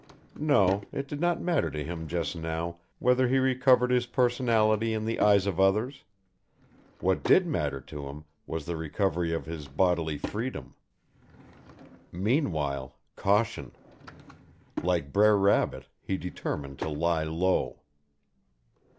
No, it did not matter to him just now whether he recovered his personality in the eyes of others; what did matter to him was the recovery of his bodily freedom. Meanwhile, caution. Like Brer Rabbit, he determined to "lie low."